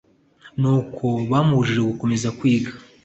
n'uko bamubujije gukomeza kwiga